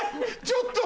ちょっと。